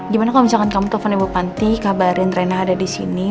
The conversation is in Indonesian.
gimana kalau misalkan kamu telfon ibu panti kabarin rena ada disini